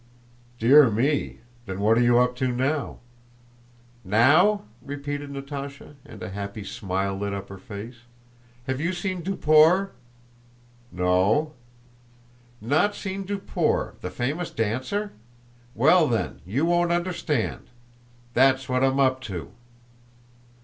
"Dear me! Then what are you up to now?" "Now?" repeated Natásha, and a happy smile lit up her face. "Have you seen Duport?" "No." "Not seen Duport—the famous dancer? Well then, you won't understand. That's what I'm up to."